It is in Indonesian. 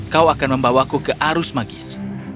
kau akan membawaku ke arus magis